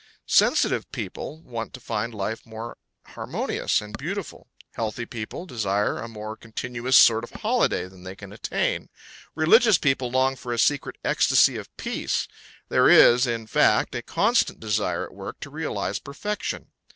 Sensitive people want to find life more harmonious and beautiful, healthy people desire a more continuous sort of holiday than they can attain, religious people long for a secret ecstasy of peace; there is, in fact, a constant desire at work to realise perfection.